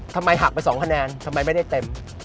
ทำไมหักไป๒คะแนนทำไมไม่ได้เต็ม